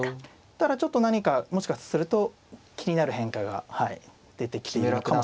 ただちょっと何かもしかすると気になる変化が出てきているのかもしれませんね。